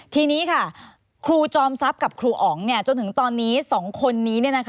ทีนี้ค่ะครูจอมทรัพย์กับครูอ๋องจนถึงตอนนี้๒คนนี้